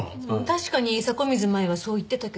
確かに迫水舞はそう言ってたけど。